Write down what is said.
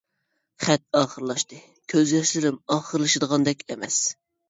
خەت ئاخىرلاشتى كۆز ياشلىرىم ئاخىرلىشىدىغاندەك ئەمەس.